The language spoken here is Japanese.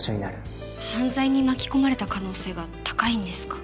犯罪に巻き込まれた可能性が高いんですか？